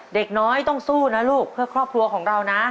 เด็กน้อยต้องสู้นะลูกเพื่อครอบครัวของเรานะ